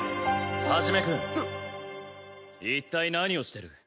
一君一体何をしてる？